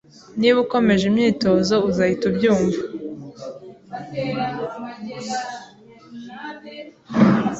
Niba ukomeje imyitozo, uzahita ubyumva.